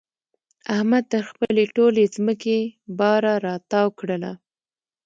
احمد تر خپلې ټولې ځمکې باره را تاو کړله.